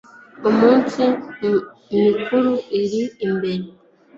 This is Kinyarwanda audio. Iminsi mikuru iri imbere